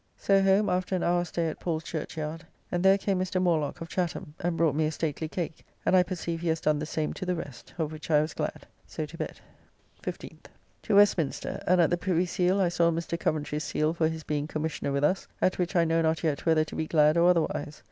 So home after an hour stay at Paul's Churchyard, and there came Mr. Morelock of Chatham, and brought me a stately cake, and I perceive he has done the same to the rest, of which I was glad; so to bed. 15th. To Westminster; and at the Privy Seal I saw Mr. Coventry's seal for his being Commissioner with us, at which I know not yet whether to be glad or otherwise.